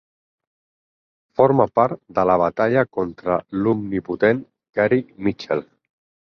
Forma part de la batalla contra l'omnipotent Gary Mitchell.